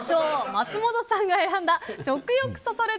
松本さんが選んだ食欲そそる！